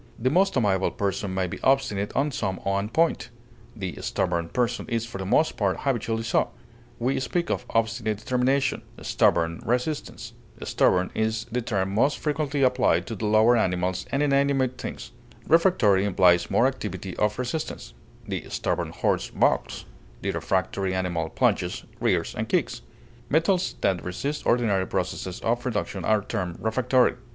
The most amiable person may be obstinate on some one point; the stubborn person is for the most part habitually so; we speak of obstinate determination, stubborn resistance. Stubborn is the term most frequently applied to the lower animals and inanimate things. Refractory implies more activity of resistance; the stubborn horse balks; the refractory animal plunges, rears, and kicks; metals that resist ordinary processes of reduction are termed refractory.